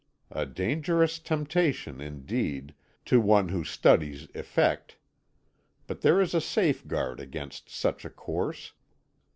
A dangerous temptation, indeed, to one who studies effect. But there is a safeguard against such a course.